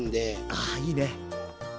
あいいね。